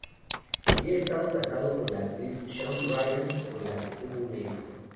Había estado casado con la actriz Shawn Ryan, con la que tuvo una hija.